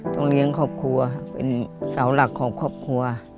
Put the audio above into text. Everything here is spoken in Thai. เลี้ยงครอบครัวเป็นเสาหลักของครอบครัว